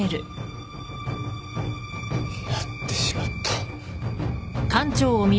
やってしまった。